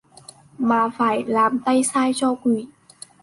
mà phải làm tay sai cho quỷ